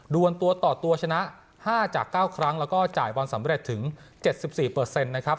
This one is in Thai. วนตัวต่อตัวชนะ๕จาก๙ครั้งแล้วก็จ่ายบอลสำเร็จถึง๗๔นะครับ